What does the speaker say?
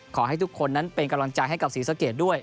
ขอให้ทุกคนนั้นเป็นกำลังใจให้กับศรีสะเกดด้วย